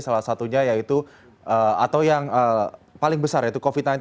salah satunya yaitu atau yang paling besar yaitu covid sembilan belas